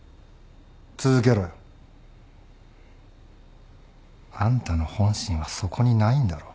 続けろよ。あんたの本心はそこにないんだろ？